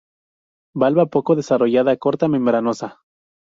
Valva poco desarrollada, corta, membranosa.